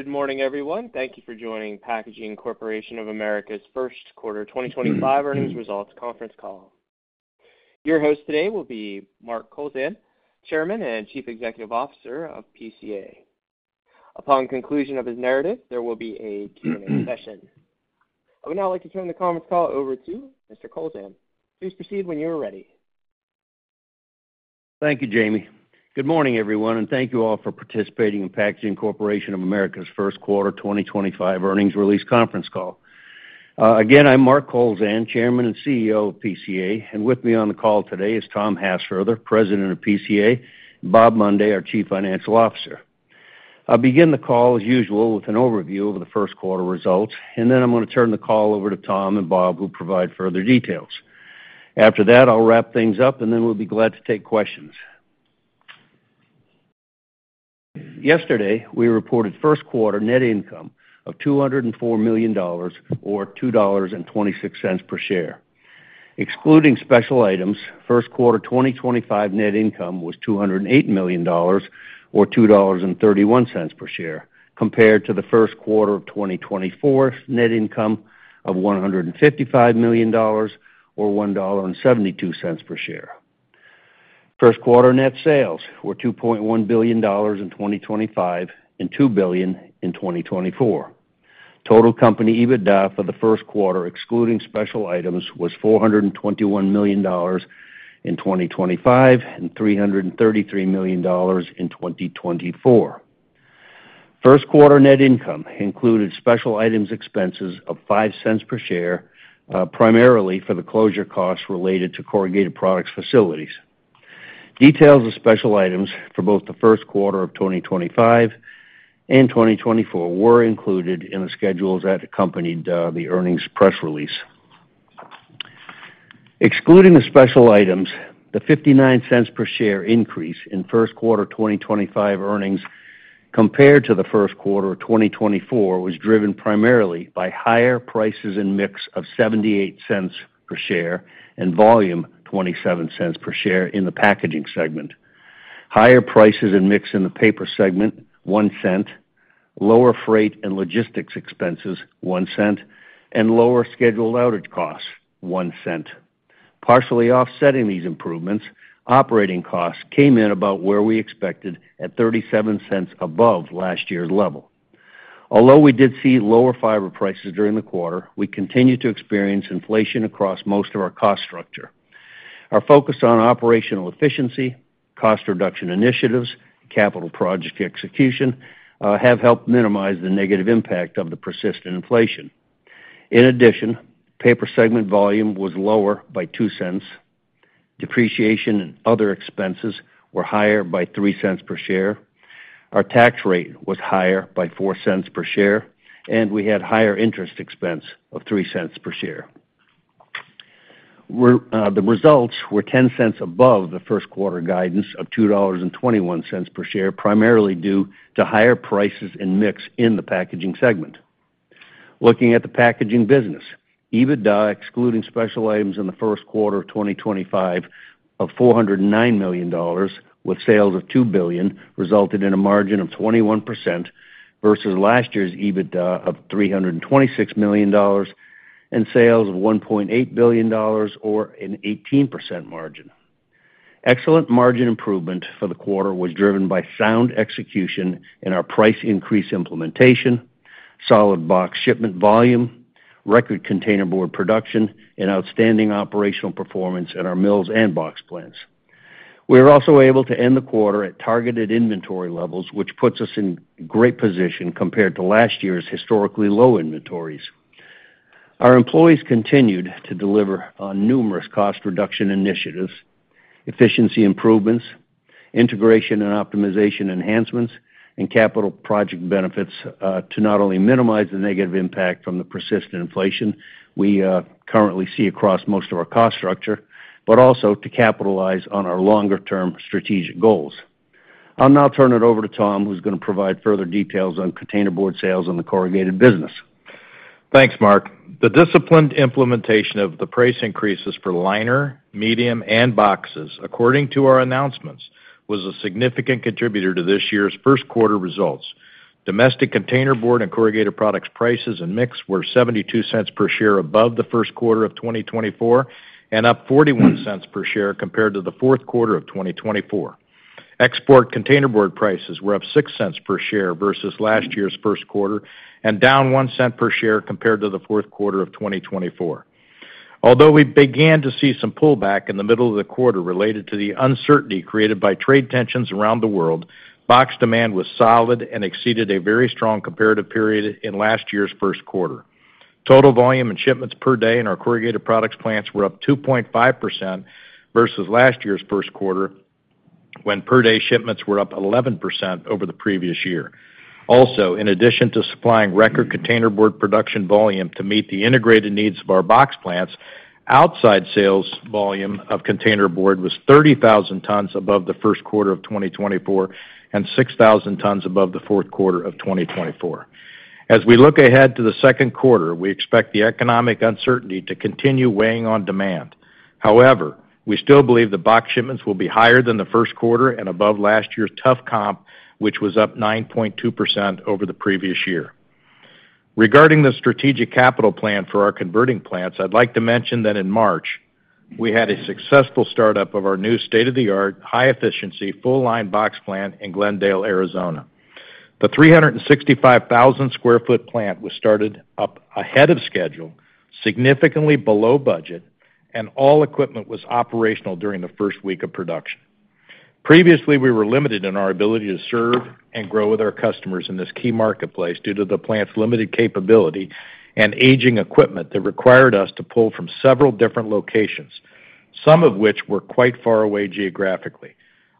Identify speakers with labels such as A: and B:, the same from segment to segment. A: Good morning everyone. Thank you for joining Packaging Corporation of America's First Quarter 2025 Earnings Results Conference Call. Your host today will be Mark Kowlzan, Chairman and Chief Executive Officer of PCA. Upon conclusion of his narrative, there will. Be a Q and A session. I would now like to turn the conference call over to Mr. Kowlzan. Please proceed when you are ready.
B: Thank you Jamie. Good morning everyone and thank you all for participating in Packaging Corporation of America's First Quarter 2025 Earnings Release Conference Call. Again, I'm Mark Kowlzan, Chairman and CEO of PCA and with me on the call today is Tom Hassfurther, President of PCA, and Bob Mundy, our Chief Financial Officer. I'll begin the call as usual with an overview of the first quarter results and then I'm going to turn the call over to Tom and Bob who will provide further details. After that I'll wrap things up and then we'll be glad to take questions. Yesterday we reported first quarter net income of $204 million or $2.26 per share, excluding special items. First quarter 2025 net income was $208 million or $2.31 per share compared to the first quarter of 2024 net income of $155 million, or $1.72 per share. First quarter net sales were $2.1 billion in 2025 and $2 billion in 2024. Total company EBITDA for the first quarter excluding special items was $421 million in 2025 and $333 million in 2024. First quarter net income included special items expenses of $0.05 per share, primarily for the closure costs related to corrugated products facilities. Details of special items for both the first quarter of 2025 and 2024 were included in the schedules that accompanied the earnings press release. Excluding the special items, the $0.59 per share increase in first quarter 2025 earnings compared to the first quarter of 2024 was driven primarily by higher prices and mix of $0.78 per share and volume $0.27 per share in the packaging segment, higher prices and mix in the paper segment $0.01, lower freight and logistics expenses $0.01 and lower scheduled outage costs $0.01. Partially offsetting these improvements, operating costs came in about where we expected at $0.37 above last year's level. Although we did see lower fiber prices during the quarter, we continue to experience inflation across most of our cost structure. Our focus on operational efficiency, cost reduction initiatives, capital project execution have helped minimize the negative impact of the persistent inflation. In addition, paper segment volume was lower by $0.02, depreciation and other expenses were higher by $0.03 per share, our tax rate was higher by $0.04 per share and we had higher interest expense $0.03 per share. The results were $0.10 above the first quarter guidance of $2.21 per share primarily due to higher prices and mix in the packaging segment. Looking at the packaging business, EBITDA excluding special items in the first quarter of 2025 of $409 million with sales of $2 billion resulted in a margin of 21% versus last year's EBITDA of $326 million and sales of $1.8 billion or an 18% margin. Excellent margin improvement for the quarter was driven by sound execution in our price increase implementation, solid box shipment volume, record containerboard production and outstanding operational performance in our mills and box plants. We were also able to end the quarter at targeted inventory levels, which puts us in great position compared to last year's historically low inventories. Our employees continued to deliver on numerous cost reduction initiatives, efficiency improvements, integration and optimization enhancements, and capital project benefits to not only minimize the negative impact from the persistent inflation we currently see across most of our cost structure, but also to capitalize on our longer term strategic goals. I'll now turn it over to Tom who's going to provide further details on containerboard sales and the corrugated business.
C: Thanks Mark. The disciplined implementation of the price increases for liner, medium and boxes according to our announcements was a significant contributor to this year's first quarter results. Domestic containerboard and corrugated products prices and mix were $0.72 per share above the first quarter of 2024 and up $0.41 per share compared to the fourth quarter of 2024. Export containerboard prices were up $0.06 per share versus last year's first quarter and down $0.01 per share compared to the fourth quarter of 2024. Although we began to see some pullback in the middle of the quarter related to the uncertainty created by trade tensions around the world, box demand was solid and exceeded a very strong comparative period in last year's first quarter. Total volume and shipments per day in our corrugated products plants were up 2.5% versus last year's first quarter when per day shipments were up 11% over the previous year. Also, in addition to supplying record containerboard production volume to meet the integrated needs of our box plant, outside sales volume of containerboard was 30,000 tons above the first quarter of 2024 and 6,000 tons above the fourth quarter of 2024. As we look ahead to the second quarter, we expect the economic uncertainty to continue weighing on demand. However, we still believe the box shipments will be higher than the first quarter and above last year's tough comp which was up 9.2% over the previous year. Regarding the strategic capital plan for our converting plants, I'd like to mention that in March we had a successful startup of our new state-of-the-art high-efficiency full-line box plant in Glendale, Arizona. The 365,000 sq ft plant was started up ahead of schedule, significantly below budget and all equipment was operational during the first week of production. Previously, we were limited in our ability to serve and grow with our customers in this key marketplace due to the plant's limited capability and aging equipment that required us to pull from several different locations, some of which were quite far away. Geographically,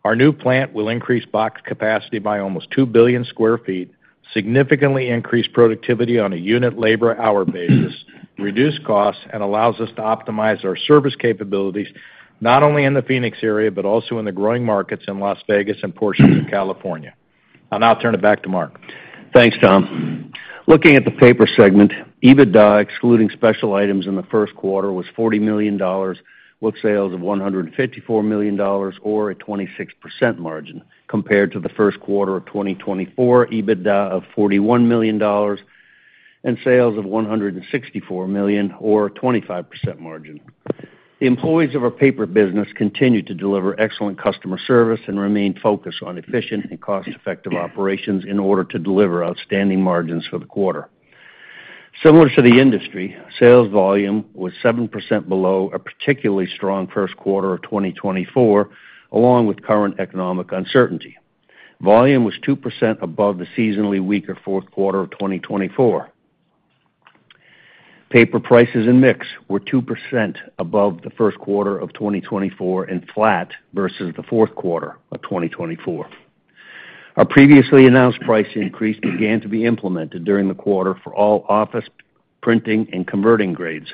C: our new plant will increase box capacity by almost 2 billion sq ft, significantly increase productivity on a unit labor hour basis, reduce costs and allows us to optimize our service capabilities not only in the Phoenix area, but also in the growing markets in Las Vegas and portions of California. I'll now turn it back to Mark. Thanks Tom.
B: Looking at the paper segment, EBITDA excluding special items in the first quarter was $40 million with sales of $154 million or a 26% margin compared to the first quarter of 2024. EBITDA of $41 million and sales of $164 million or 25% margin. The employees of our paper business continue to deliver excellent customer service and remain focused on efficient and cost effective operations outstanding margins for the quarter. Similar to the industry, sales volume was 7% below a particularly strong first quarter of 2024 along with current economic uncertainty. Volume was 2% above the seasonally weaker fourth quarter of 2024. Paper prices and mix were 2% above the first quarter of 2024 and flat versus the fourth quarter of 2024. Our previously announced price increase began to be implemented during the quarter for all office printing and converting grades.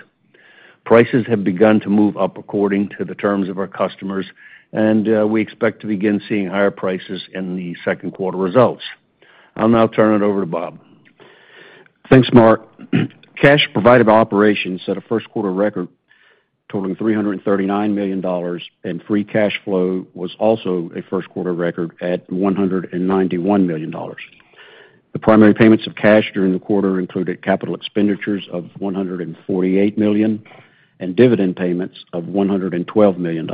B: Prices have begun to move up according to the terms of our customers and we expect to begin seeing higher prices in the second quarter results. I'll now turn it over to Bob.
D: Thanks Mark. Cash provided by operations set a first quarter record totaling $339 million and free cash flow was also a first quarter record at $191 million. The primary payments of cash during the quarter included capital expenditures of $148 million and dividend payments of $112 million.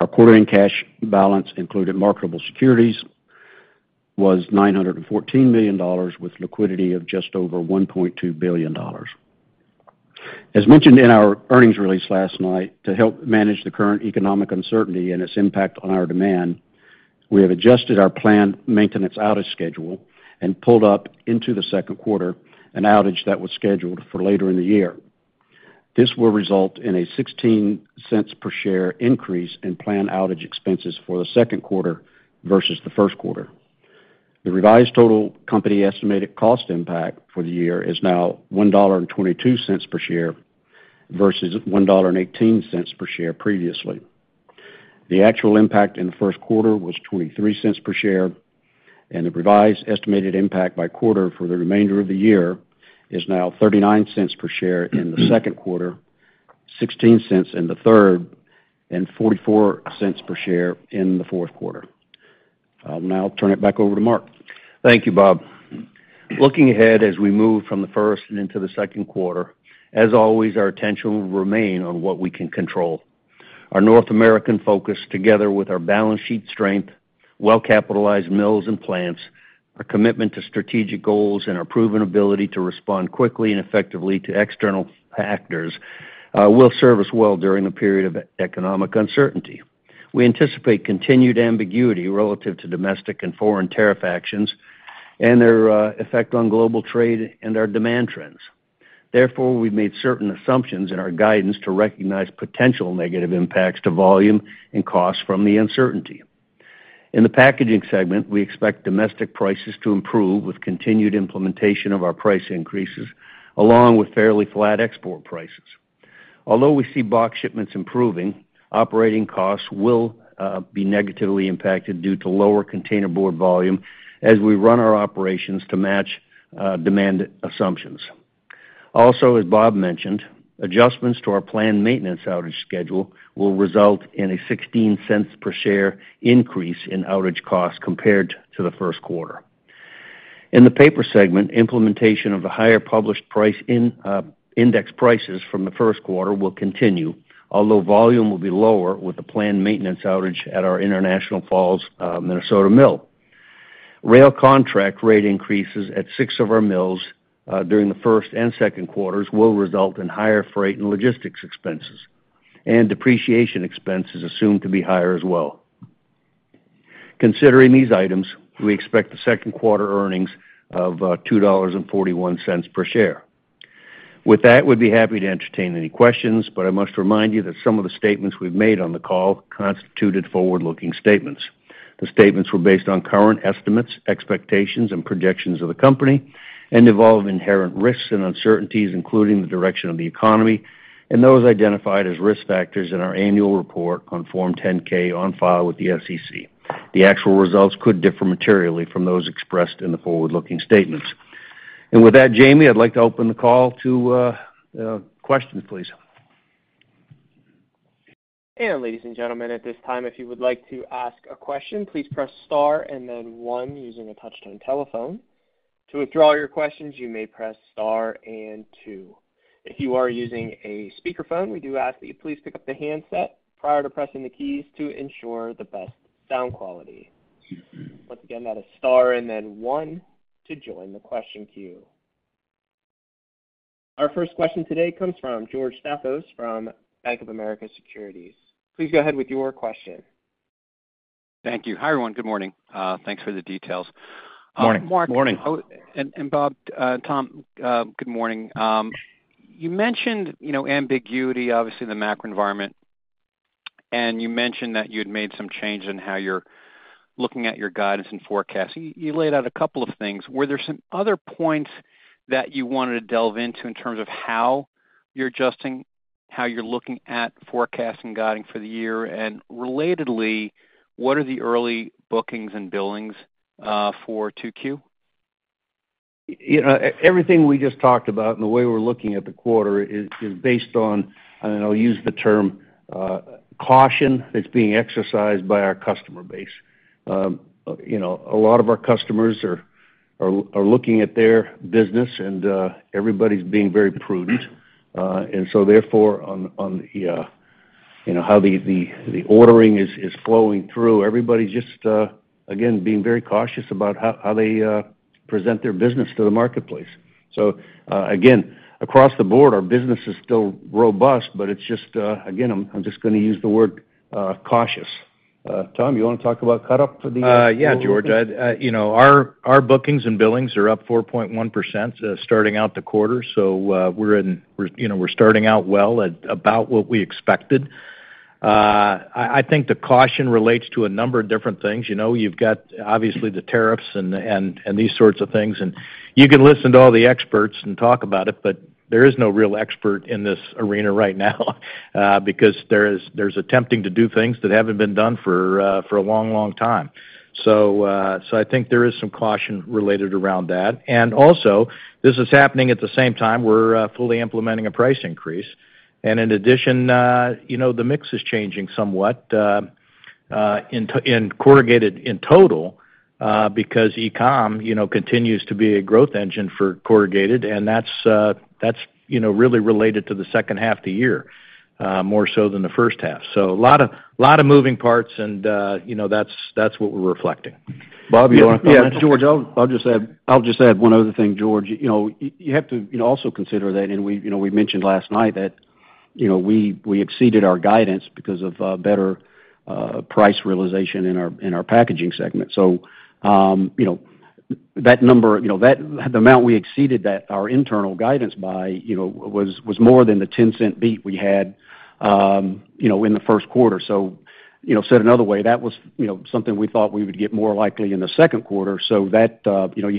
D: Our quarter end cash balance including marketable securities was $914 million with liquidity of just over $1.2 billion. As mentioned in our earnings release last night, to help manage the current economic uncertainty and its impact on our demand, we have adjusted our planned maintenance outage schedule and pulled up into the second quarter an outage that was scheduled for later in the year. This will result in a $0.16 per share increase in planned outage expenses for the second quarter versus the first quarter. The revised total company estimated cost impact for the year is now $1.22 per share versus $1.18 per share previously. The actual impact in the first quarter was $0.23 per share and the revised estimated impact by quarter for the remainder of the year is now $0.39 per share in the second quarter, $0.16 in the third and $0.44 per share in the fourth quarter. I'll now turn it back over to Mark.
B: Thank you, Bob. Looking ahead as we move from the first and into the second quarter, as always, our attention will remain on what we can control. Our North American focus together with our balance sheet strength, well capitalized mills and plants, our commitment to strategic goals and our proven ability to respond quickly and effectively to external factors will serve us well during the period of economic uncertainty. We anticipate continued ambiguity relative to domestic and foreign tariff actions and their effect on global trade and our demand trends. Therefore, we have made certain assumptions in our guidance to recognize potential negative impacts to volume and cost from the uncertainty. In the packaging segment, we expect domestic prices to improve with continued implementation of our price increases along with fairly flat export prices. Although we see box shipments improving, operating costs will be negatively impacted due to lower containerboard volume as we run our operations to match demand assumptions. Also, as Bob mentioned, adjustments to our planned maintenance outage schedule will result in a $0.16 per share increase in outage costs compared to the first quarter. In the paper segment, implementation of the higher published price index prices from the first quarter will continue although volume will be lower with the planned maintenance outage at our International Falls, Minnesota mill rail contract, rate increases at six of our mills during the first and second quarters will result in higher freight and logistics expenses and depreciation expense is assumed to be higher as well. Considering these items, we expect the second quarter earnings of $2.41 per share. With that, we'd be happy to entertain any questions, but I must remind you that some of the statements we've made on the call constituted forward looking statements. The statements were based on current estimates, expectations and projections of the company and involve inherent risks and uncertainties including the direction of the economy and those identified as risk factors in our annual report on Form 10-K on file with the SEC. The actual results could differ materially from those expressed in the forward looking statements. With that, Jamie, I'd like to open the call to questions please.
A: Ladies and gentlemen, at this time, if you would like to ask a question, please press Star and then one using a touch tone telephone. To withdraw your questions, you may press Star and two. If you are using a speakerphone, we do ask that you please pick up the handset prior to pressing the keys to ensure the best sound quality. Once again, that is Star and then one to join the question queue. Our first question today comes from George Staphos from Bank of America Securities. Please go ahead with your question.
E: Thank you. Hi everyone. Good morning. Thanks for the details, Mark and Bob. Tom, good morning. You mentioned ambiguity, obviously the macro environment, and you mentioned that you had made some changes in how you're looking at your guidance and forecasting. You laid out a couple of things. Were there some other points that you wanted to delve into in terms of how you're adjusting, how you're looking at forecasting, guiding for the year, and relatedly, what are the early bookings and billings for 2Q.
B: You know, everything we just talked about and the way we're looking at the quarter is based on, and I'll use the term caution that's being exercised by our customer base. You know, a lot of our customers are looking at their business and everybody's being very prudent. Therefore, on how the ordering is flowing through, everybody just again being very cautious about how they present their business to the marketplace. Again, across the board our business is still robust, but it's just again, I'm just going to use the word cautious. Tom, you want to talk about cut up for the.
C: Yeah, George. You know, our bookings and billings are up 4.1% starting out the quarter. So we're in, you know, we're starting out well at about what we expected. I think the caution relates to a number of different things. You know, you've got obviously the tariffs and these sorts of things and you can listen to all the experts and talk about it, but there is no real expert in this arena right now because there's attempting to do things that haven't been done for a long, long time. I think there is some caution related around that. Also this is happening at the same time we're fully implementing a price increase. In addition, you know, the mix is changing somewhat in corrugated in total because e-comm continues to be a growth engine for corrugated. That is really related to the second half of the year more so than the first half. A lot of moving parts. That is what we are reflecting.
B: Bob, you want to.
D: George, I'll just add one other thing. George, you know, you have to also consider that, and we, you know, we mentioned last night that, you know, we exceeded our guidance because of better price realization in our, in our packaging segment. You know, that number, you know that the amount we exceeded our internal guidance by, you know, was more than the $0.10 beat we had in the first quarter. Said another way, that was, you know, something we thought we would get more likely in the second quarter. You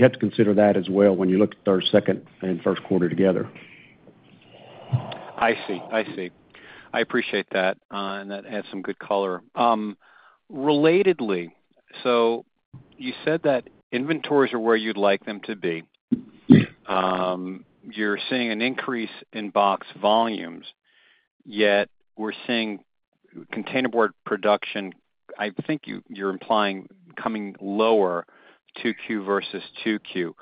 D: have to consider that as well when you look at their second and first quarter together.
E: I see, I see. I appreciate that. That adds some good color, relatedly. You said that inventories are where you'd like them to be. You're seeing an increase in box volumes, yet we're seeing containerboard production, I think you're implying, coming lower. 2Q versus 2Q.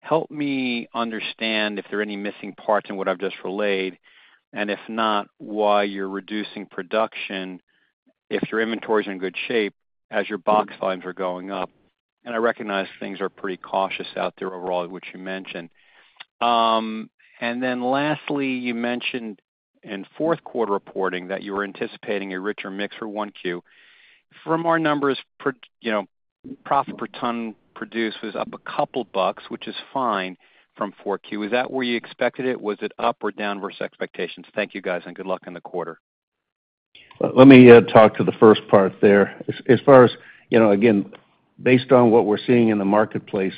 E: Help me understand if there are any missing parts in what I've just relayed and if not, why you're reducing production if your inventory is in good shape as your box volumes are going up. I recognize things are pretty cautious out there overall, what you mentioned. Lastly, you mentioned in fourth quarter reporting that you were anticipating a richer mix for 1Q. From our numbers, profit per ton produced was up a couple bucks, which is fine from 4Q. Is that where you expected it? Was it up or down versus expectations? Thank you guys and good luck in the quarter.
B: Let me talk to the first part there. As far as, again, based on what we're seeing in the marketplace,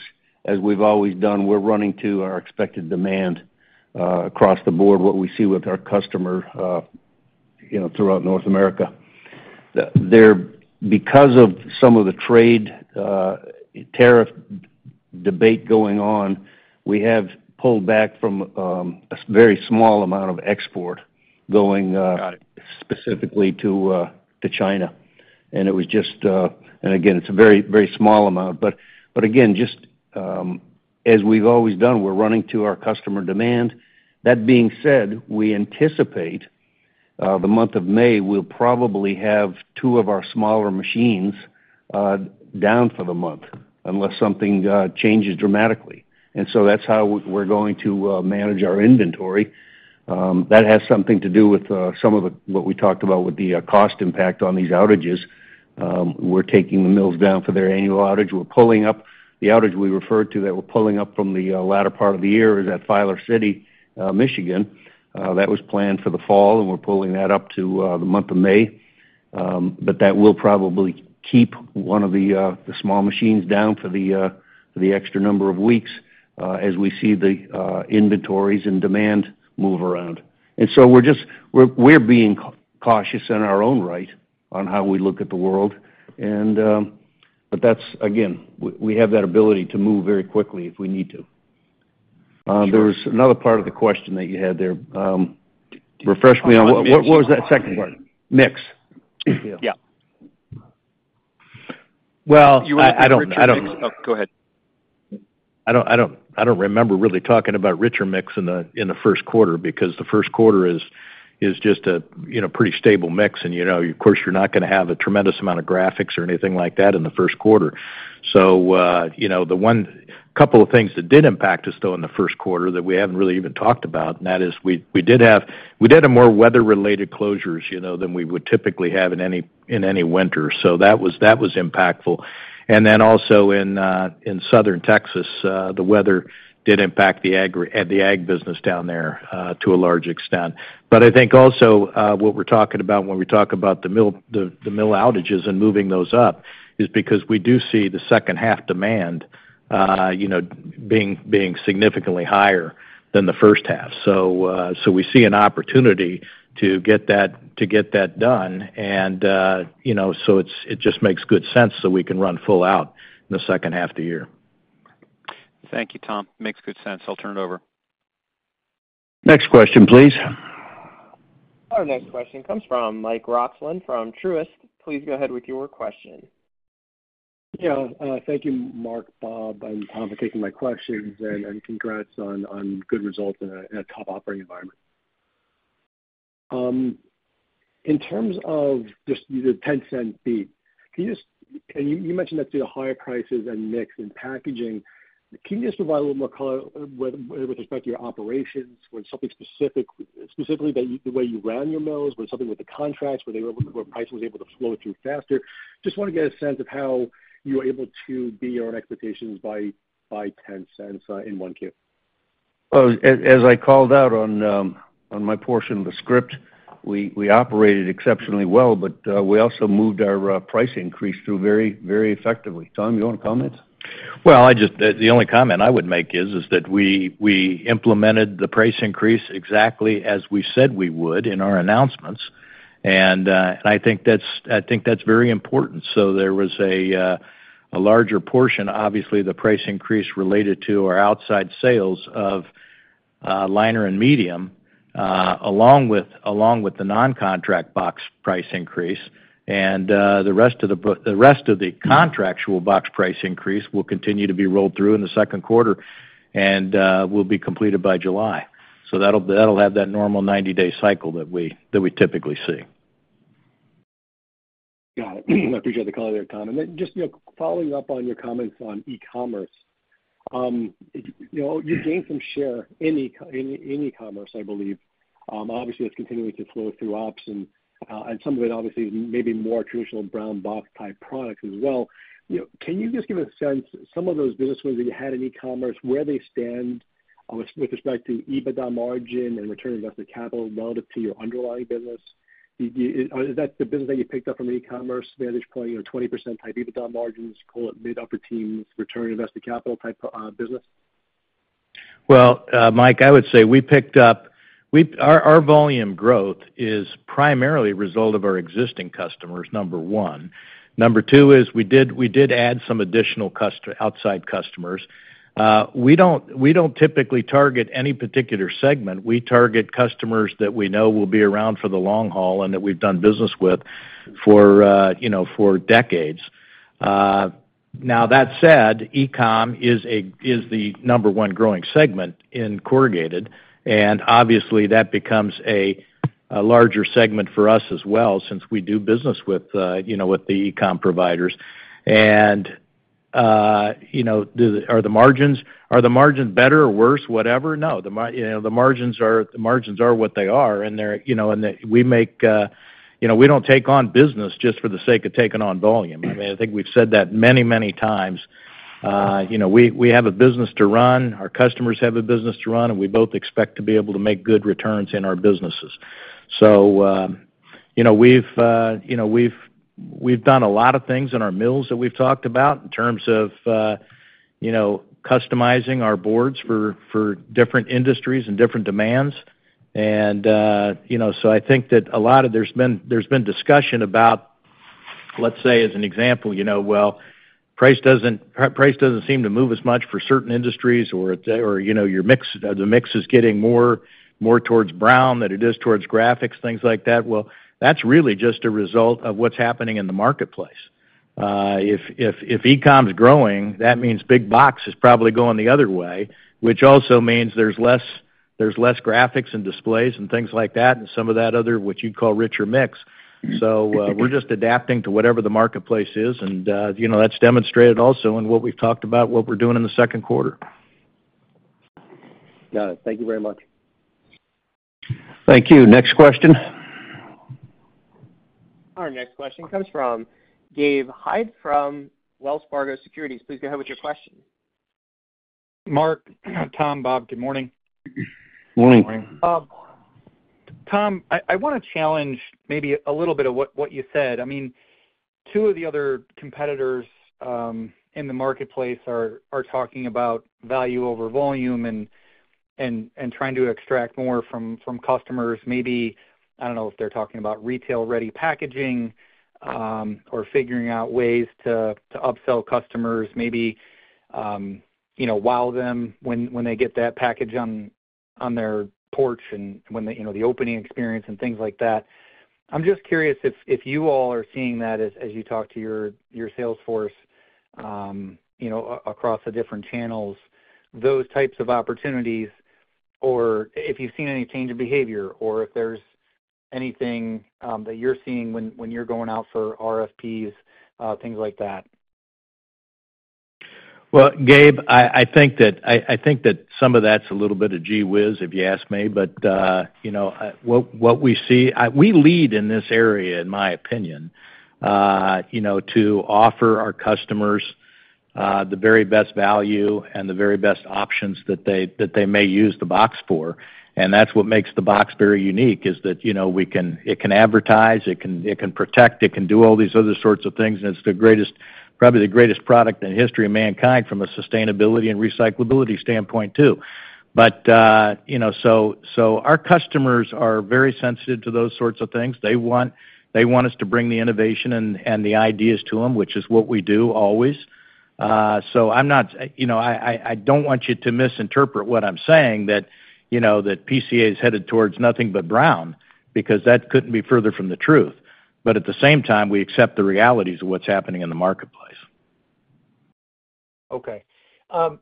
B: as we've always done, we're running to our expected demand across the board. What we see with our customer throughout North America. Because of some of the trade tariff debate going on, we have pulled back from a very small amount of export going specifically to China. It was just. Again, it's a very, very small amount. Just as we've always done, we're running to our customer demand. That being said, we anticipate the month of May, we'll probably have two of our smaller machines down for the month unless something changes dramatically. That is how we're going to manage our inventory. That has something to do with some of what we talked about. With the cost impact on these outages, we're taking the mills down for their annual outage. We're pulling up. The outage we referred to that we're pulling up from the latter part of the year is at Filer City, Michigan. That was planned for the fall and we're pulling that up to the month of May. That will probably keep one of the small machines down for the extra number of weeks as we see the inventories and demand move around. We're just, we're being cautious in our own right on how we look at the world. We have that ability to move very quickly if we need to. There was another part of the question that you had there. Refresh me on what was that second part. Mix. Yeah.
A: I don't, go ahead.
C: I don't remember really talking about richer mix in the, in the first quarter because the first quarter is just a, you know, pretty stable mix. And you know, of course you're not going to have a tremendous amount of graphics or anything like that in the first quarter. You know, the one couple of things that did impact us though in the first quarter that we haven't really even talked about and that is we did have, we did more weather related closures, you know, than we would typically have in any, in any winter. That was impactful. Also, in southern Texas the weather did impact the ag, the ag business down there to a large extent. I think also what we're talking about when we talk about the mill, the mill outages and moving those up is because we do see the second half demand, you know, being, being significantly higher than the first half. We see an opportunity to get that done. It just makes good sense so we can run full out in the second half of the year.
E: Thank you, Tom. Makes good sense. I'll turn it over.
B: Next question please.
A: Our next question comes from Mike Roxland from Truist. Please go ahead with your question.
F: Yeah, thank you, Mark. Bob. Congratulations on good results in a tough operating environment. In terms of just the $0.10 beat, you mentioned that through the higher prices and mix in packaging. Can you just provide a little more color with respect to your operations? Was it something specific? Specifically, the way you ran your mills, was it something with the contracts where price was able to flow through faster? Just want to get a sense of how you were able to beat your own expectations by $0.10
G: in 1Q as. I called out on my portion of the script. We operated exceptionally well but we also moved our price increase through very, very effectively. Tom, you want to comment?
C: I just, the only comment I would make is that we implemented the price increase exactly as we said we would in our announcements and I think that's very important. There was a larger portion obviously the price increase related to our outside sales of liner and medium along with the non contract box price increase and the rest of the contractual box price increase will continue to be rolled through in the second quarter and will be completed by July. That will have that normal 90 day cycle that we typically see.
F: Got it.
E: I appreciate the color there, Tom. Just following up on your comments on e-commerce, you gained some share in e-commerce I believe. Obviously it's continuing to flow through ops and some of it obviously maybe more traditional brown box type products as well. Can you just give a sense some of those business wins that you had in e-commerce, where they stand with respect to EBITDA margin and return on invested capital relative to your underlying business? Is that the business that you picked up from e-commerce vantage point, 20% type EBITDA margins? Call it mid upper teens return on invested capital type business.
C: Mike, I would say we picked up, our volume growth is primarily a result of our existing customers, number one. Number two is we did add some additional outside customers. We do not typically target any particular segment. We target customers that we know will be around for the long haul and that we have done business with for, you know, for decades now. That said, e-comm is the number one growing segment in corrugated and obviously that becomes a larger segment for us as well since we do business with, you know, with the e-comm providers and you know, are the margins, are the margins better or worse? Whatever? No, the, you know, the margins are the margins are what they are and they are, you know, and we make, you know, we do not take on business just for the sake of taking on volume. I mean, I think we've said that many, many times. You know, we have a business to run, our customers have a business to run and we both expect to be able to make good returns in our businesses. You know, we've done a lot of things in our mills that we've talked about in terms of, you know, customizing our boards for different industries and different demands. You know, I think that a lot of, there's been discussion about, let's say as an example, you know, price doesn't, price doesn't seem to move as much for certain industries or, you know, your mix. The mix is getting more, more towards brown than it is towards graphics, things like that. That's really just a result of what's happening in the marketplace. If e-comm is growing, that means big box is probably going the other way, which also means there's less graphics and displays and things like that and some of that other, what you'd call richer mix. We're just adapting to whatever the marketplace is and you know, that's demonstrated also in what we've talked about, what we're doing in the second quarter.
E: Got it. Thank you very much.
B: Thank you. Next question.
A: Our next question comes from Gabe Hajde from Wells Fargo Securities. Please go ahead with your question.
H: Tom. Bob, good morning.
E: Morning.
H: Tom, I want to challenge maybe a little bit of what you said. I mean, two of the other competitors in the marketplace are talking about value over volume and trying to extract more from customers. Maybe. I don't know if they're talking about retail ready packaging or figuring out ways to upsell customers, maybe wow them when they get that package on their porch and the opening experience and things like that. I'm just curious if you all are seeing that as you talk to your sales force across the different channels, those types of opportunities, or if you've seen any change of behavior or if there's anything that you're seeing when you're going out for RFPs, things like that.
C: I think that some of that's a little bit of gee whiz, if you ask me. But you know, what we see, we lead in this area, in my opinion, to offer our customers the very best value and the very best options that they may use the box for. And that's what makes the box very unique, is that, you know, we can, it can advertise, it can protect, it can do all these other sorts of things and it's the greatest, probably the greatest product in the history of mankind from a sustainability and recyclability standpoint too. But, you know, our customers are very sensitive to those sorts of things. They want us to bring the innovation and the ideas to them, which is what we do always. I'm not, you know, I don't want you to misinterpret what I'm saying, that that PCA is headed towards nothing but brown, because that couldn't be further from the truth. At the same time, we accept the realities of what's happening in the marketplace.
H: Okay.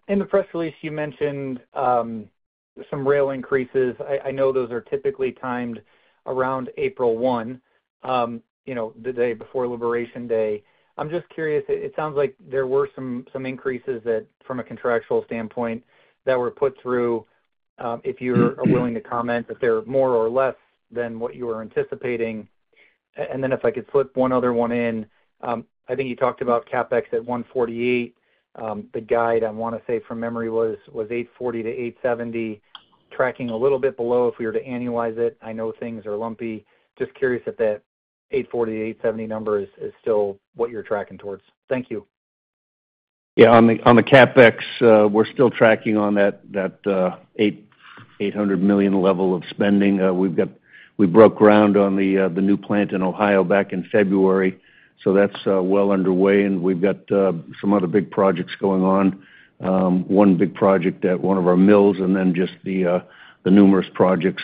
H: In the press release you mentioned some rail increases. I know those are typically timed around April 1st, the day before Liberation Day. I'm just curious. It sounds like there were some increases that from a contractual standpoint that were put through, if you are willing to comment that they're more or less than what you were anticipating. If I could slip one other one in. I think you talked about CapEx at $148. The guide, I want to say from memory was $840-$870 tracking a little bit below. If we were to annualize it. I know things are lumpy. Just curious if that $840-$870 number is still what you're tracking towards. Thank you.
B: Yeah. On the CapEx, we're still tracking on that $800 million level of spending. We broke ground on the new plant in Ohio back in February, so that's well underway. We have some other big projects going on. One big project at one of our mills and then just the numerous projects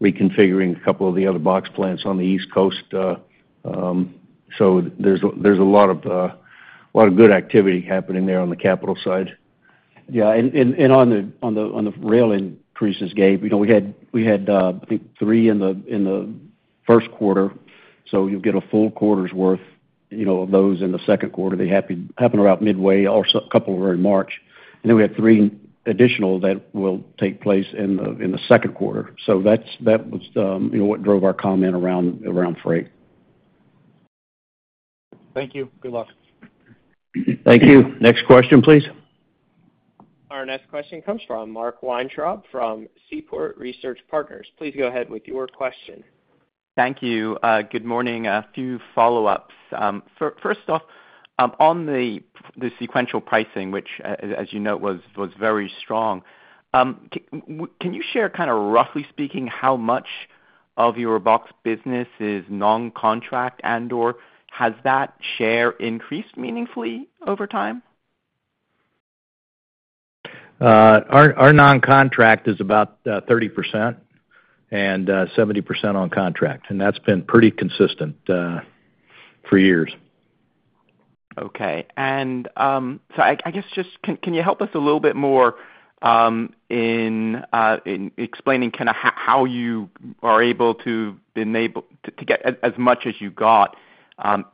B: reconfiguring a couple of the other box plants on the East Coast. There's a lot of good activity happening there on the capital side.
D: Yeah. On the rail increases, Gabe, you know, we had I think three in the first quarter. You'll get a full quarter's worth. You know, of those in the second quarter, they happen around midway or a couple around March. Then we have three additional that will take place in the second quarter. That was what drove our comment around freight.
H: Thank you. Good luck.
B: Thank you. Next question, please.
A: Our next question comes from Mark Weintraub from Seaport Research Partners. Please go ahead with your question.
I: Thank you. Good morning.
E: A few follow ups. First off on the sequential pricing, which as you note, was very strong. Can you share, kind of roughly speaking, how much of your box business is non contract and or has that share. Increased meaningfully over time? Our non-contract is about 30% and 70% on contract, and that's been pretty consistent for years. Okay. I guess just, can you help us a little bit more in explaining kind of how you are able to get as much as you got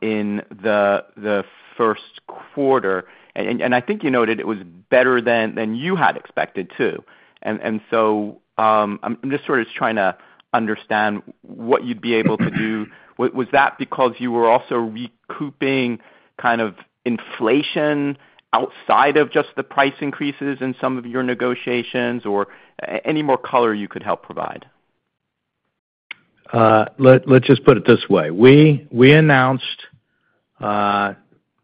E: in the first quarter? I think you noted it was better than you had expected too. I am just sort of trying to understand what you'd be able to do. Was that because you were also recouping kind of inflation outside of just the price increases in some of your negotiations, or any more color you could help provide?
C: Let's just put it this way. We announced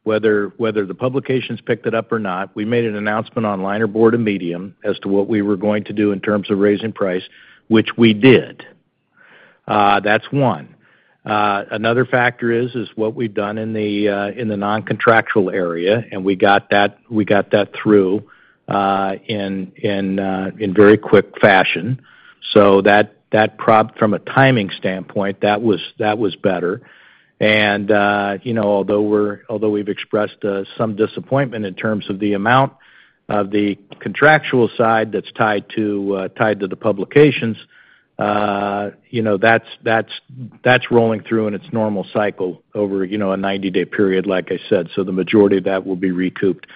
C: whether the publications picked it up or not. We made an announcement on linerboard and medium as to what we were going to do in terms of raising price, which we did. That's one. Another factor is what we've done in the non-contractual area and we got that through in very quick fashion. That from a timing standpoint was better. Although we've expressed some disappointment in terms of the amount of the contractual side that's tied to the publications, you know, that's rolling through in its normal cycle over, you know, a 90 day period, like I said. The majority of that will be recouped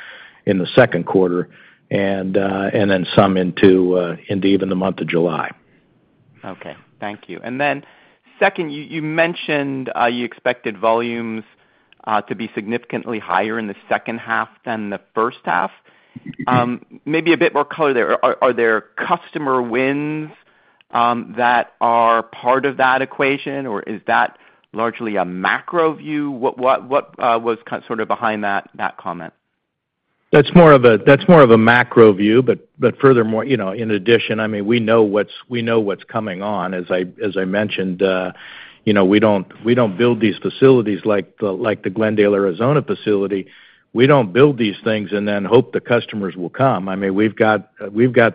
C: in the second quarter and then some into even the month of July.
I: Okay, thank you. Then second, you mentioned you expected volumes to be significantly higher in the second half than the first half. Maybe a bit more color there. Are there customer wins that are part of that equation, or is that largely a macro view? What was sort of behind that comment?
C: That's more of a macro view. Furthermore, you know, in addition, I mean, we know what's coming on. As I mentioned, you know, we don't build these facilities like the Glendale, Arizona facility. We don't build these things and then hope the customers will come. I mean, we've got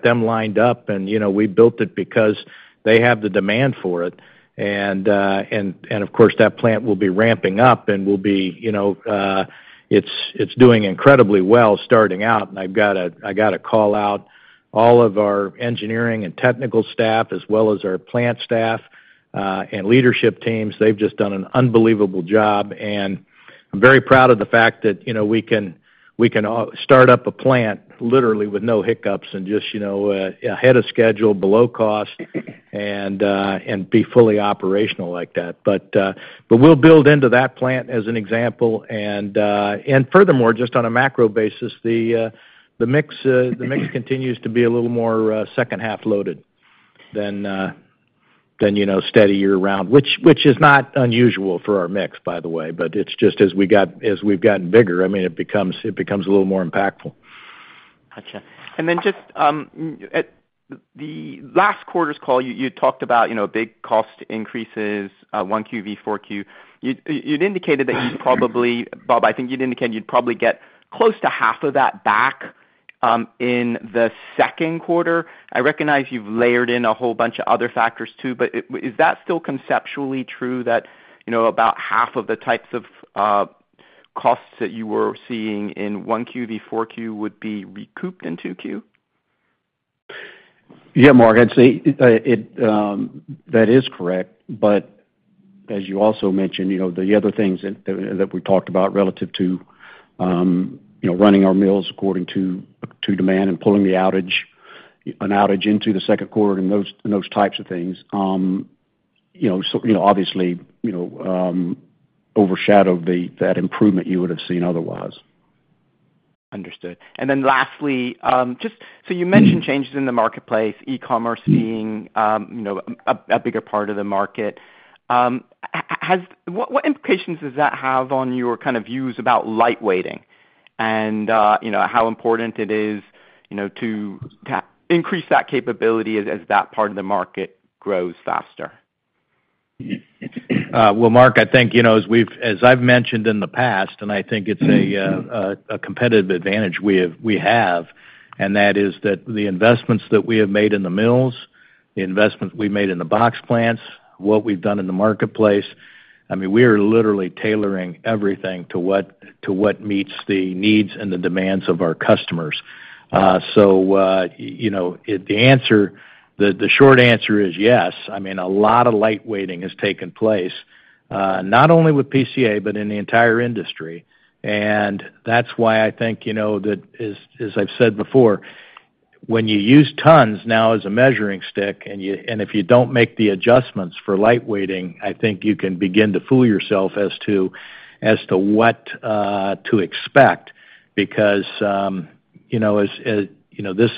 C: them lined up and, you know, we built it because they have the demand for it. Of course, that plant will be ramping up and will be, you know, it's doing incredibly well starting out. I gotta call out all of our engineering and technical staff as well as our plant staff and leadership teams. They've just done an unbelievable job. I'm very proud of the fact that we can start up a plant literally with no hiccups and just ahead of schedule below cost and be fully operational like that. We will build into that plant as an example. Furthermore, just on a macro basis, the mix continues to be a little more second half loaded than steady year round, which is not unusual for our mix, by the way. It is just as we have gotten bigger, it becomes a little more impactful.
I: Just last quarter's call, you talked about big cost increases. 1Q v 4Q. You'd indicated that you probably, Bob, I think you'd indicated you'd probably get close to half of that back in the second quarter. I recognize you've layered in a whole bunch of other factors too, but is that still conceptually true that, you know, about half of the types of costs that you were seeing in 1Q v 4Q would be recouped in 2Q?
D: Yeah, Mark, I'd say that is correct. As you also mentioned, you know, the other things that we talked about relative to, you know, running our mills according to demand and pulling the outage, an outage into the second quarter and those types of things obviously overshadowed that improvement you would have seen otherwise.
I: Understood. Lastly, you mentioned changes in the marketplace, e-commerce being a bigger part of the market. What implications does that have on your views about lightweighting and how important it is to increase that capability as that part of the market grows faster?
C: Mark, I think, you know, as we've, as I've mentioned in the past, and I think it's a competitive advantage we have and that is that the investments that we have made in the mills, the investments we made in the box plants, what we've done in the marketplace, I mean, we are literally tailoring everything to what, to what meets the needs and the demands of our customers. You know the answer. The short answer is yes. I mean, a lot of lightweighting has taken place not only with PCA but in the entire industry. That's why I think, you know that as I've said before, when you use tons now as a measuring stick and if you don't make the adjustments for lightweighting, I think you can begin to fool yourself as to what to expect because you know this,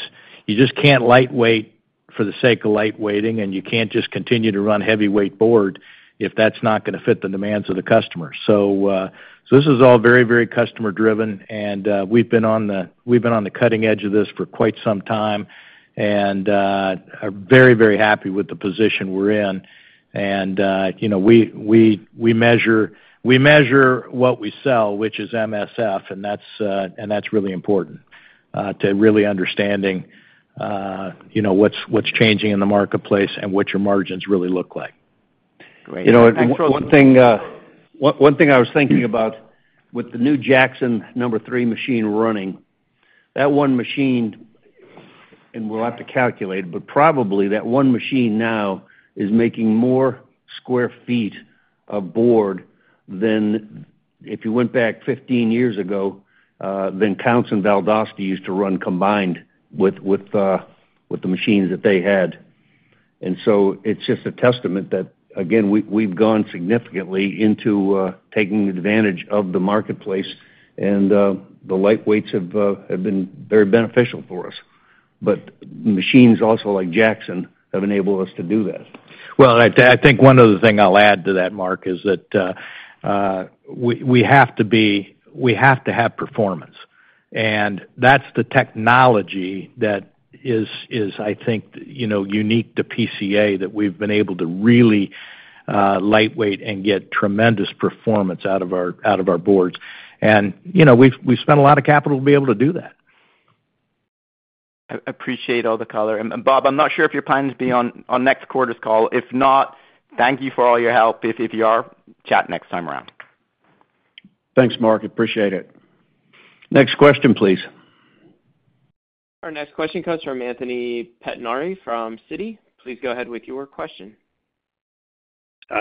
C: you just can't lightweight for the sake of lightweighting and you can't just continue to run heavyweight board if that's not going to fit the demands of the customer. This is all very, very customer driven. We've been on the cutting edge of this for quite some time and are very, very happy with the position we're in. You know, we measure, we measure what we sell, which is MSF. That's really important to really understanding what's changing in the marketplace and what your margins really look like.
B: One thing I was thinking about with the new Jackson No. 3 machine running, that one machine, and we'll have to calculate, but probably that one machine now is making more sq ft of board than if you went back 15 years ago, then Counce and Valdosta used to run combined with the machines that they had. It is just a testament that, again, we've gone significantly into taking advantage of the marketplace, and the lightweights have been very beneficial for us. Machines also like Jackson have enabled us to do that.
C: I think one other thing I'll add to that, Mark, is that we have to be, we have to have performance and that's the technology that is, I think, you know, unique to PCA that we've been able to really lightweight and get tremendous performance out of our, out of our boards. And you know, we've spent a lot of capital to be able to do that.
I: Appreciate all the color. Bob, I'm not sure if your. Plans be on next quarter's call. If not, thank you for all your help. If you are, chat next time around.
B: Thanks Mark. Appreciate it. Next question, please.
A: Our next question comes from Anthony Pettinari from Citi. Please go ahead with your question.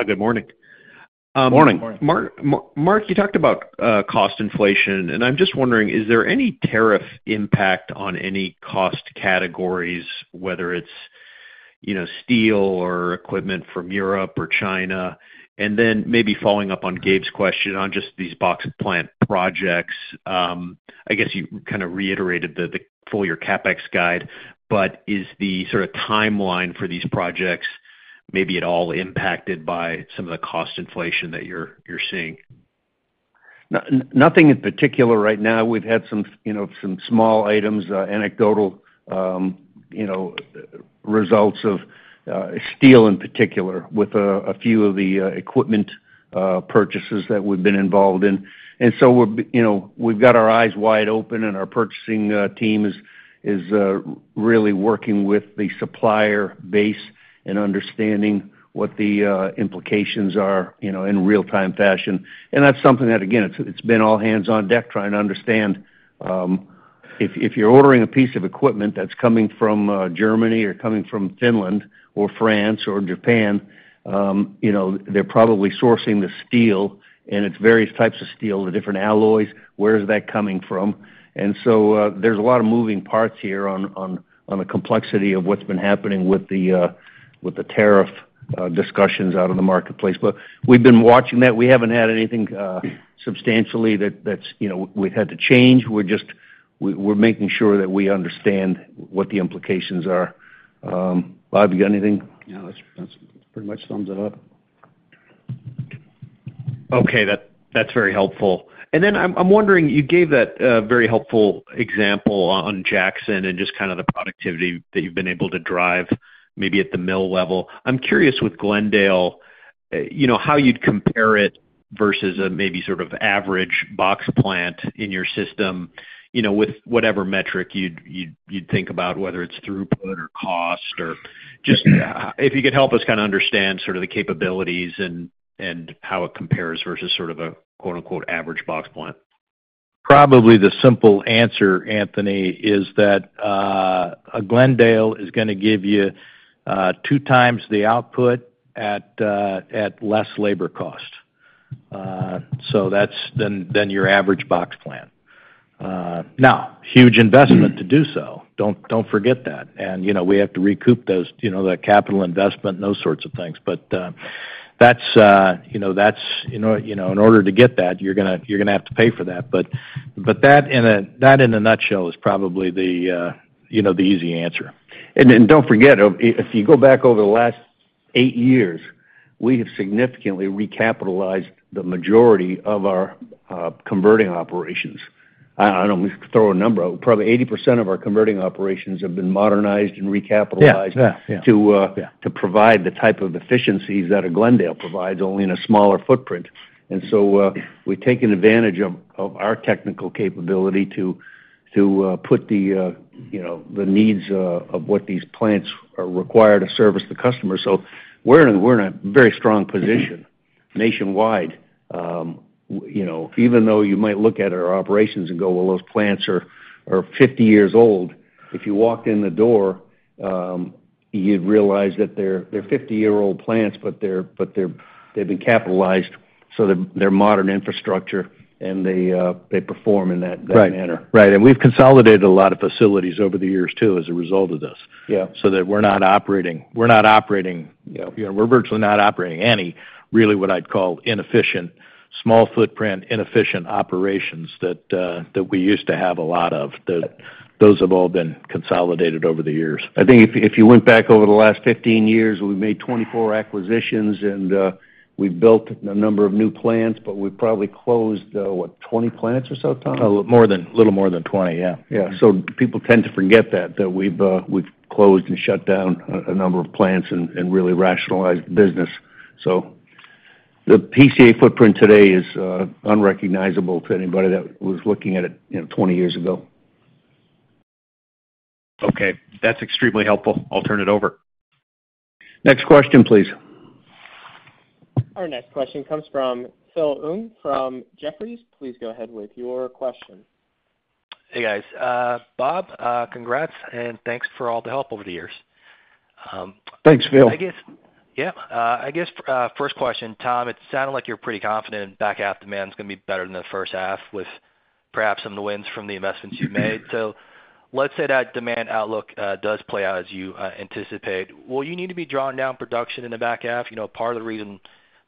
J: Good morning. Morning. Mark, you talked about cost inflation and I'm just wondering is there any tariff impact on any cost categories, whether it's steel or equipment from Europe or China? Maybe following up on Gabe's question on just these box plant projects, I guess you kind of reiterated the full year CapEx guide. Is the sort of timeline for these projects maybe at all impacted by some of the cost inflation that you're seeing?
B: Nothing in particular right now. We've had some, you know, some small items, anecdotal, you know, results of steel in particular with a few of the equipment purchases that we've been involved in. You know, we've got our eyes wide open and our purchasing team is really working with the supplier base and understanding what the implications are in real time fashion. That's something that again, it's been all hands on deck trying to understand. If you're ordering a piece of equipment that's coming from Germany or coming from Finland or France or Japan, they're probably sourcing the steel and it's various types of steel, the different alloys, where is that coming from? There's a lot of moving parts here on the complexity of what's been happening with the tariff discussions out of the marketplace. We have been watching that we have not had anything substantially that we have had to change. We are just making sure that we understand what the implications are. Bob, you got anything?
D: Yeah, that pretty much sums it up.
J: Okay, that's very helpful. I'm wondering, you gave that very helpful example on Jackson and just kind of the productivity that you've been able to drive maybe at the mill level. I'm curious with Glendale, you know, how you'd compare it versus a maybe sort of average box plant in your system, you know, with whatever metric you'd think about whether it's throughput or cost or just if you could help us kind of understand sort of the capabilities and how it compares versus sort of a. Quote, unquote, average box plant.
C: Probably the simple answer, Anthony, is that Glendale is going to give you two times the output at less labor cost. So that's than your average box plant. Now, huge investment to do. Don't forget that. And you know, we have to recoup those, you know, the capital investment and those sorts of things. But that's, you know, that's, you know, in order to get that, you're going to have to pay for that. But that in a nutshell is probably the, you know, the easy answer.
B: If you go back over the last eight years, we have significantly recapitalized the majority of our converting operations. I do not throw a number out. Probably 80% of our converting operations have been modernized and recapitalized to provide the type of efficiencies that a Glendale provides only in a smaller footprint. We have taken advantage of our technical capability to put the, you know, the needs of what these plants require to service the customer. We are in a very strong position nationwide. You know, even though you might look at our operations and go, well, those plants are 50 years old. If you walked in the door, you would realize that they are 50 year old plants, but they have been capitalized so they are modern infrastructure and they perform in that manner. Right. We have consolidated a lot of facilities over the years too, as a result of this. So that we're not operating, we're not operating, we're virtually not operating any really, what I'd call inefficient, small footprint, inefficient operations that we used to have. A lot of those have all been consolidated over the years. I think if you went back over the last 15 years, we've made 24 acquisitions and we've built a number of new plants, but we probably closed, what, 20 plants or so, Tom?
C: A little more than 20.
B: Yeah, yeah. People tend to forget that, that we've closed and shut down a number of plants and really rationalized business. The PCA footprint today is unrecognizable to anybody that was looking at it 20 years ago.
C: Okay, that's extremely helpful. I'll turn it over.
B: Next question, please.
A: Our next question comes from Phil Ng from Jefferies. Please go ahead with your question.
K: Hey, guys. Bob, congrats and thanks for all the.
L: Help over the years.
B: Thanks, Phil.
K: Yeah, I guess. First question, Tom, it sounded like you're pretty confident back half demand is going to be better than the first half with perhaps some of the wins from the investments you made till, let's say that demand outlook does play out as you anticipate. Will you need to be drawing down? Production in the back half? You know, part of the reason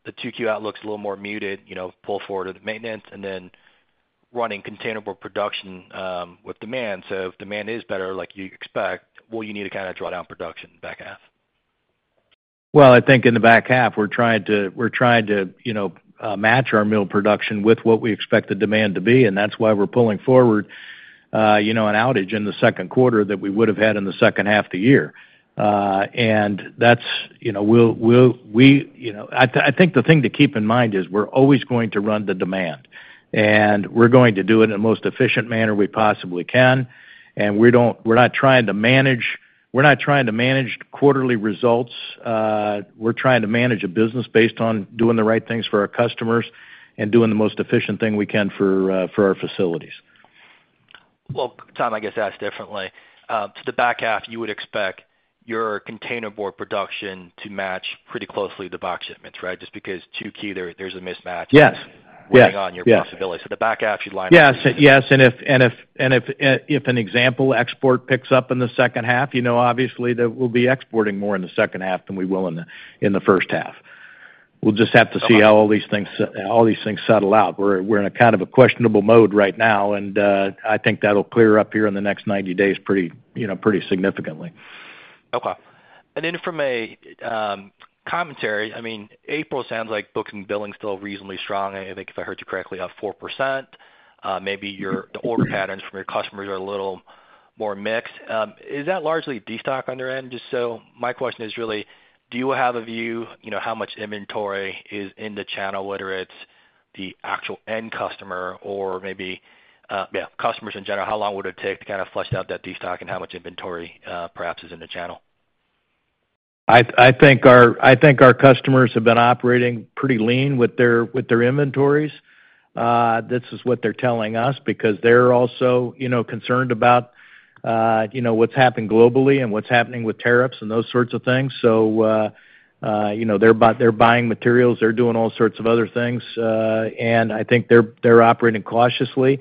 K: the 2Q outlook is a little more muted, you know, pull forward of the maintenance and then running container or production with demand. So if demand is better like you expect, will you need to kind of draw down production back half?
C: I think in the back half, we're trying to, you know, match our mill production with what we expect the demand to be. That's why we're pulling forward, you know, an outage in the second quarter that we would have had in the second half of the year. You know, I think the thing to keep in mind is we're always going to run the demand and we're going to do it in the most efficient manner we possibly can. We don't, we're not trying to manage, we're not trying to manage quarterly results. We're trying to manage a business based on doing the right things for our customers and doing the most efficient thing we can for our facilities.
B: Tom, I guess that's differently to the back half. You would expect your containerboard production to match pretty closely the box shipments. Right. Just because two key. There's a mismatch.
C: Yes. The back half should line up. Yes, yes. And if, for example, export picks up in the second half, you know, obviously that we'll be exporting more in the second half than we will in the first half. We'll just have to see how all these things settle out. We're in a kind of a questionable mode right now, and I think that'll clear up here in the next 90 days pretty significantly.
K: Okay. From a commentary, I mean, April sounds like books and billings still reasonably strong. I think if I heard you correctly, up 4%. Maybe the order patterns from your customers are a little more mixed. Is that largely destock on their end? Just so my question is really, do you have a view how much inventory is in the channel, whether it's the actual end customer or maybe customers in general? How long would it take to kind of flesh out that destock and how much inventory perhaps is in the channel?
C: I think our customers have been operating pretty lean with their inventories. This is what they're telling us because they're also concerned about, you know, what's happened globally and what's happening with tariffs and those sorts of things. You know, they're buying materials, they're doing all sorts of other things, and I think they're operating cautiously.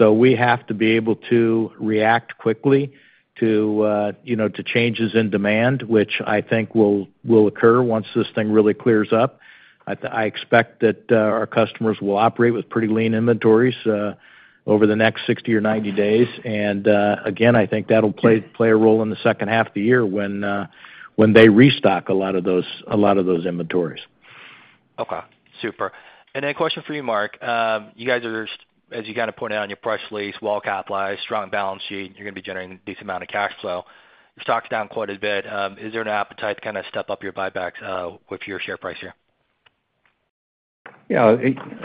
C: We have to be able to react quickly to, you know, to changes in demand, which I think will occur once this thing really clears up. I expect that our customers will operate with pretty lean inventories over the next 60 or 90 days. I think that'll play a role in the second half of the year when they restock a lot of those inventories.
K: Okay, super. A question for you, Mark. You guys are, as you kind of. Pointed out in your press release, well. Capitalized, strong balance sheet, you're going to be generating a decent amount of cash flow. Your stock's down quite a bit. Is there an appetite to kind of step up your buybacks with your share price here?
B: Yeah,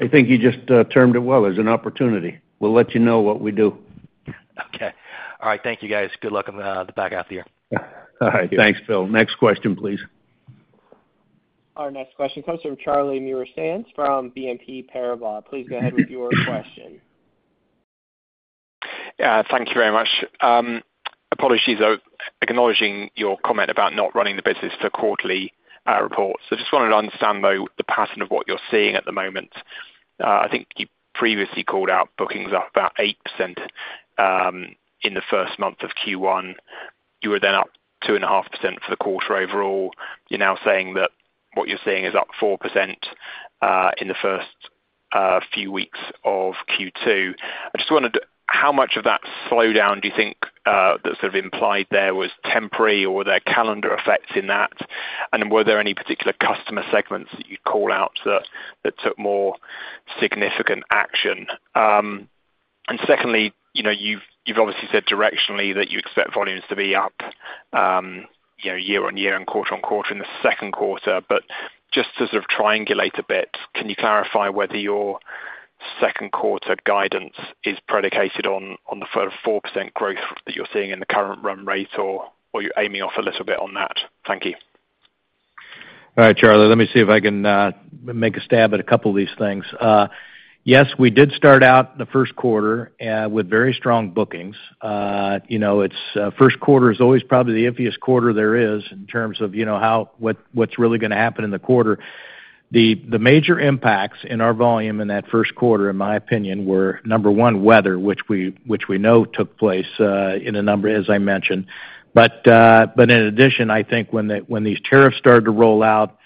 B: I think you just termed it well, as an opportunity. We'll let you know what we do.
K: Okay. All right, thank you, guys. Good luck on the back half of the year.
B: All right, thanks, Phil. Next question, please.
A: Our next question comes from Charlie Muir-Sands from BNP Paribas. Please go ahead with your question.
M: Thank you very much. Apologies, though, acknowledging your comment about not running the business for quarterly. I just wanted to understand, though, the pattern of what you're seeing at the moment. I think you previously called out bookings, up about 8% in the first month of Q1. You were then up 2.5% for the quarter overall. You're now saying that what you're seeing is up 4% in the first few weeks of Q2. I just wondered how much of that slowdown do you think that sort of implied there was temporary or there calendar effects in that and were there any particular customer segments you'd call out that took more significant action? Secondly, you've obviously said directionally that you expect volumes to be up year on year and quarter on quarter in the second quarter. Just to sort of triangulate a bit, can you clarify whether your second quarter guidance is predicated on the 4%? Growth that you're seeing in the current. Run rate or you're aiming off a little bit on that? Thank you.
C: All right, Charlie, let me see if I can make a stab at a couple of these things. Yes, we did start out the first quarter with very strong bookings. You know, first quarter is always probably the iffiest quarter there is in terms of, you know, how, what, what's really going to happen in the quarter. The major impacts in our volume in that first quarter, in my opinion, were number one, weather, which we know took place in a number, as I mentioned. In addition, I think when these tariffs started to roll out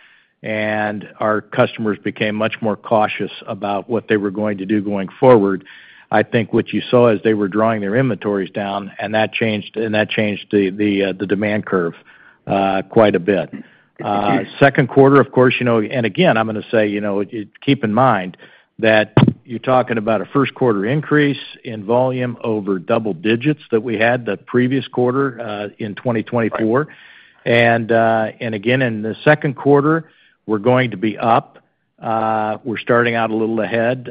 C: and our customers became much more cautious about what they were going to do going forward, I think what you saw is they were drawing their inventories down and that changed the demand curve quite a bit. Second quarter, of course, you know, and again, I'm going to say keep in mind that you're talking about a first quarter increase in volume over double digits that we had the previous quarter. Quarter in 2024 and again in the second quarter we're going to be up, we're starting out a little ahead,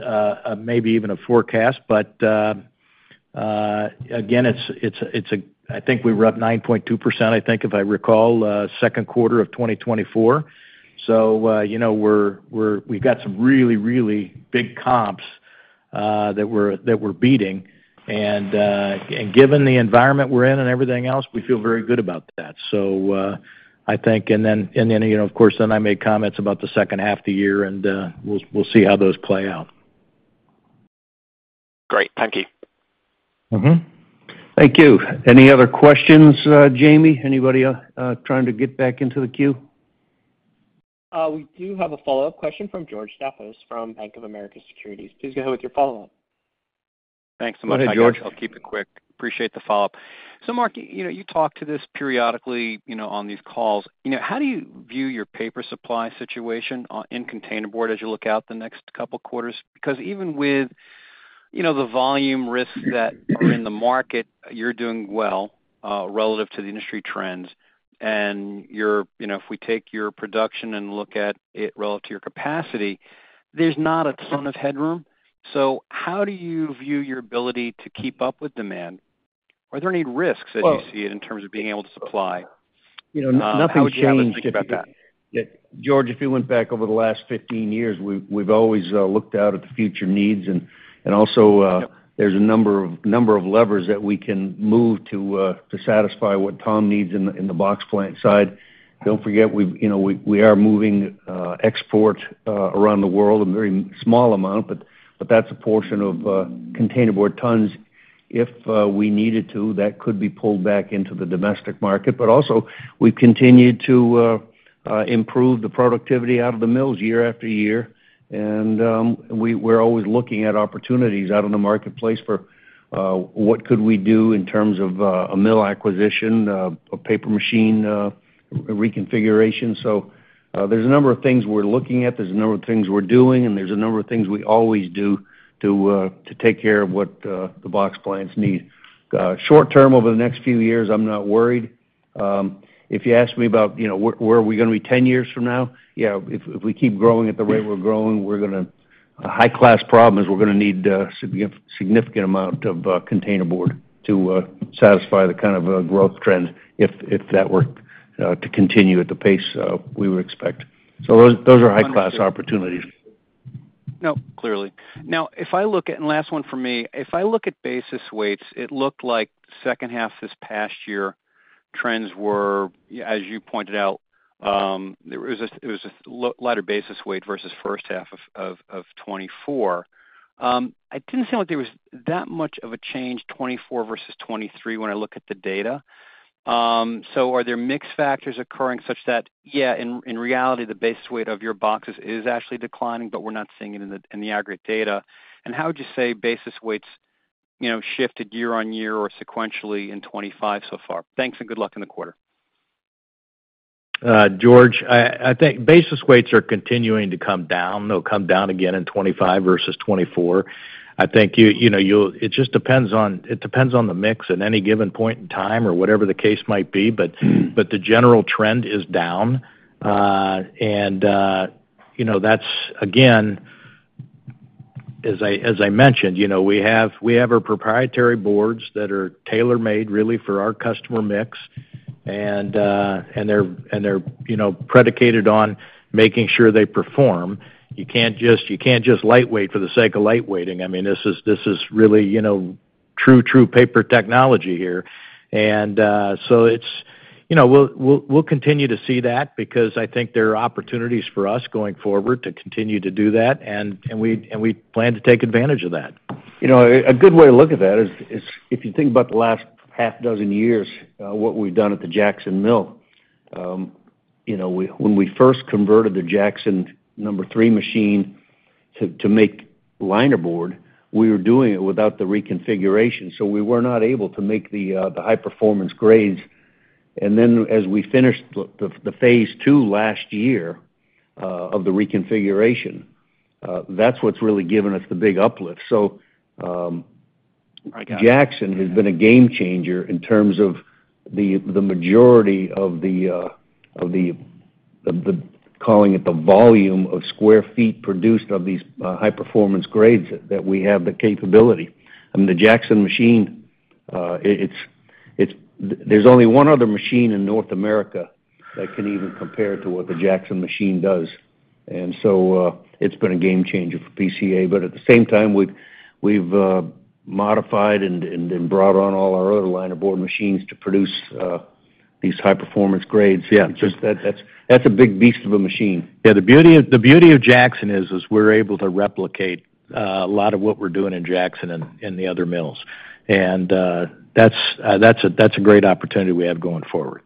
C: maybe even ahead of forecast. But. Again, I think we were up 9.2%. I think if I recall, second quarter of 2024. You know, we've got some really, really big comps that we're beating and given the environment we're in and everything else, we feel very good about that. I think. You know, of course, then I make comments about the second half of the year and we'll see how those play out.
M: Great, thank you.
I: Thank you. Any other questions? Jamie, anybody trying to get back into the queue?
A: We do have a follow up question from George Staphos from Bank of America Securities. Please go ahead with your follow up.
E: Thanks so much. I'll keep it quick. Appreciate the follow up. Mark, you talk to this periodically on these calls. How do you view your paper supply situation in containerboard as you look out. The next couple quarters? Because even with the volume risks that are in the market, you're doing well relative to the industry trends. If we take your production and look at it relative to your capacity, there's not a ton of headroom. How do you view your ability to keep up with demand? Are there any risks as you see? It, in terms of being able to supply?
B: You know, nothing changed. George, if you went back over the last 15 years, we've always looked out at the future needs and also there's a number of levers that we can move to satisfy what Tom needs in the box plant side. Don't forget we are moving export around the world a very small amount, but that's a portion of containerboard tons. If we needed to, that could be pulled back into the domestic market. We continue to improve the productivity out of the mills year after year. We're always looking at opportunities out in the marketplace for what could we do in terms of a mill acquisition, paper machine reconfiguration. There is a number of things we're looking at, there is a number of things we're doing and there is a number of things we always do to take care of what the box plants need short term over the next few years. I'm not worried if you ask me about, you know, where are we going to be ten years from now. Yeah, if we keep growing at the rate we're growing, we're going to have high class problems. We're going to need a significant amount of containerboard to satisfy the kind of growth trend if that were to continue at the pace we would expect. Those are high class opportunities.
E: No, clearly now if I look at, and last one for me, if I look at basis weights, it looked like second half this past year trends were as you pointed out, it was a lighter basis weight versus first half of 2024. It didn't seem like there was that much of a change, 2024 versus 2023 when I look at the data. Are there mix factors occurring such that, yeah, in reality the basis weight of your boxes is actually declining, but we're not seeing it in the aggregate data? How would you say basis weights shifted year on year or sequentially in 2025 so far? Thanks and good luck in the quarter.
C: George. I think basis weights are continuing to come down. They'll come down again in 2025 versus 2024. I think, you know, you, it just depends on, it depends on the mix at any given point in time or whatever the case might be. The general trend is down. And you know, that's again. As I. As I mentioned, you know, we have our proprietary boards that are tailor made really for our customer mix and they're, you know, predicated on making sure they provide. You can't just, you can't just lightweight for the sake of lightweighting. I mean this is, this is really, you know, true, true paper technology here. It's, you know, we'll continue to see that because I think there are opportunities for us going forward to continue to do that and we plan to take advantage of that.
B: You know, a good way to look at that is if you think about the last half dozen years, what we've done at the Jackson Mill, you know, when we first converted the Jackson No. 3 machine to make linerboard, we were doing it without the reconfiguration so we were not able to make the high performance grades. As we finished the phase two last year of the reconfiguration, that's what's really given us the big uplift. Jackson has been a game changer in terms of the majority of the, calling it the volume of sq ft produced of these high performance grades that we have the capability, the Jackson machine. There's only one other machine in North America that can even compare to what the Jackson machine does. It has been a game changer for PCA, but at the same time, we've modified and brought on all our other linerboard machines to produce these high performance grades. Yeah, that's a big beast of a machine.
C: Yeah. The beauty of Jackson is we're able to replicate a lot of what we're doing in Jackson and the other mills. And that's a great opportunity we have going forward.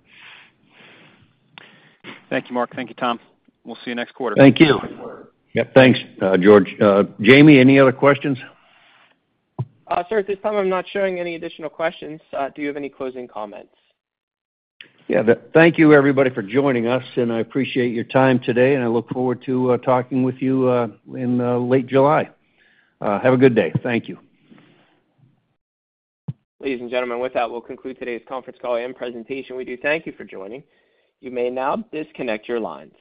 E: Thank you, Mark. Thank you, Tom. We'll see you next quarter.
B: Thank you. Thanks, George. Jamie, any other questions?
A: Sir, at this time, I'm not showing any additional questions. Do you have any closing comments?
B: Yeah. Thank you everybody for joining us and I appreciate your time today and I look forward to talking with you in late July. Have a good day. Thank you.
A: Ladies and gentlemen. With that, we'll conclude today's conference call and presentation. We do thank you for joining. You may now disconnect your lines.